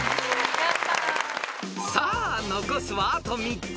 ［さあ残すはあと３つ。